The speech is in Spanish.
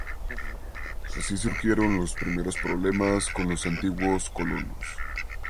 así surgieron los primeros problemas con los antiguos colonos